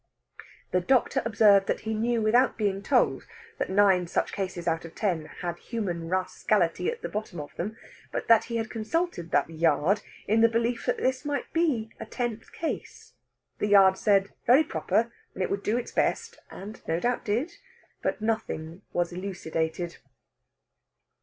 The doctor observed that he knew without being told that nine such cases out of ten had human rascality at the bottom of them, but that he had consulted that Yard in the belief that this might be a tenth case. The Yard said very proper, and it would do its best, and no doubt did, but nothing was elucidated.